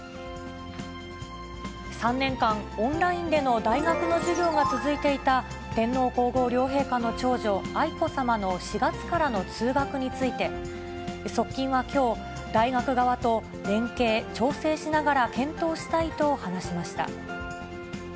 ３年間、オンラインでの大学の授業が続いていた、天皇皇后両陛下の長女、愛子さまの４月からの通学について、側近はきょう、大学側と連携、調整しながら検討したいと話しました。